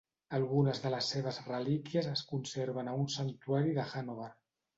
Algunes de les seves relíquies es conserven a un santuari de Hannover.